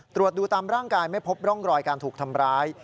ตรวจดูตามร่างกายไม่พบร่องรอยการถูกทำร้าย